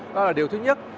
đó là điều thứ nhất